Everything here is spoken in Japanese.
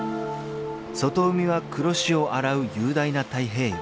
［外海は黒潮洗う雄大な太平洋］